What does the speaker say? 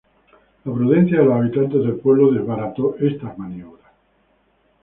La prudencia de los habitantes del pueblo desbarató estas maniobras.